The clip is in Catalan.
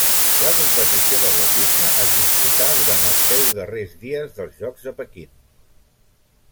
La competició d'atletisme es disputà durant els deu darrers dies dels Jocs de Pequín.